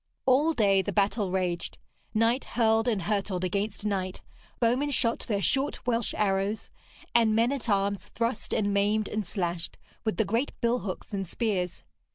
All day the battle raged. Knight hurled and hurtled against knight, bowmen shot their short Welsh arrows, and men at arms thrust and maimed and slashed with the great billhooks and spears.